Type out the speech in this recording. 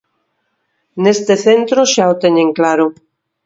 Neste centro xa o teñen claro.